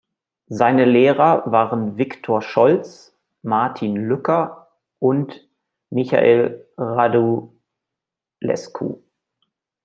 Seine Lehrer waren Viktor Scholz, Martin Lücker und Michael Radulescu.